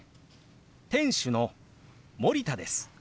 店主の森田です。